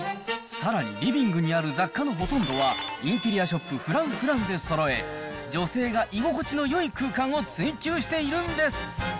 さらにリビングにある雑貨のほとんどは、インテリアショップ、フランフランでそろえ、女性が居心地のよい空間を追求しているんです。